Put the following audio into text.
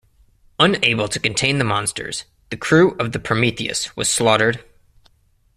Unable to contain the monsters, the crew of the Prometheus was slaughtered.